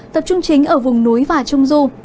tập trung chính ở vùng núi và trung du